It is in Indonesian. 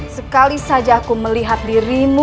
sekali saja aku melihat dirimu